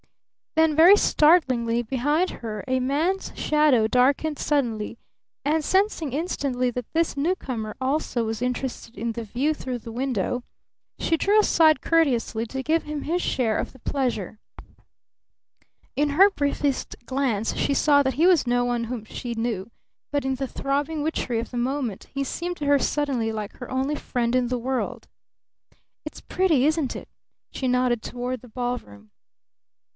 Then very startlingly behind her a man's shadow darkened suddenly, and, sensing instantly that this newcomer also was interested in the view through the window, she drew aside courteously to give him his share of the pleasure. In her briefest glance she saw that he was no one whom she knew, but in the throbbing witchery of the moment he seemed to her suddenly like her only friend in the world. "It's pretty, isn't it?" she nodded toward the ballroom.